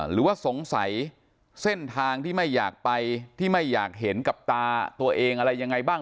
หรือว่าสงสัยเส้นทางที่ไม่อยากไปที่ไม่อยากเห็นกับตาตัวเองอะไรยังไงบ้าง